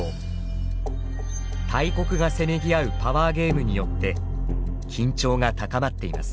大国がせめぎ合うパワーゲームによって緊張が高まっています。